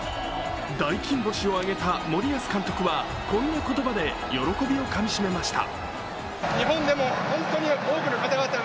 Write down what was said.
大金星を挙げた森保監督はこんな言葉で喜びをかみしめました。